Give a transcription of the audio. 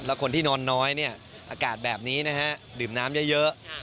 และคนที่นอนน้อยอากาศแบบนี้ดื่มน้ำเยอะ